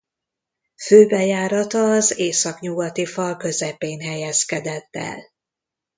Főbejárata az északnyugati fal közepén helyezkedett el.